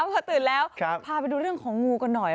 พอตื่นแล้วพาไปดูเรื่องของงูกันหน่อย